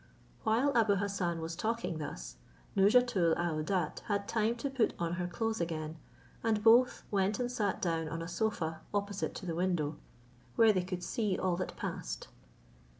While Abou Hassan was talking thus, Nouzhatoul aouadat had time to put on her clothes again, and both went and sat down on a sofa opposite to the window, where they could see all that passed.